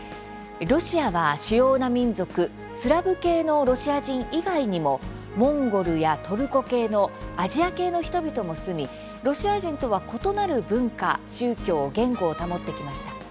ロシアは主要な民族スラブ系のロシア人以外にもモンゴルやトルコ系のアジア系の人々も住みロシア人とは異なる文化、宗教言語を保ってきました。